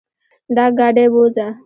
دا ګاډې بوځه.